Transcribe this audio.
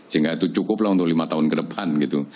sehingga itu cukuplah untuk lima tahun ke depan gitu